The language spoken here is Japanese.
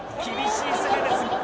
厳しい攻めです。